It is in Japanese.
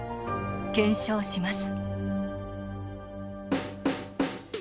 検証します